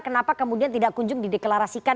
kenapa kemudian tidak kunjung dideklarasikan